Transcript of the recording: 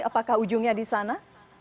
apakah ujungnya di sana